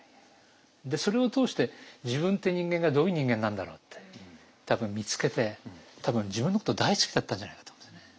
でそれを通して自分って人間がどういう人間なんだろうって多分見つけて多分自分のこと大好きだったんじゃないかと思うんですよね。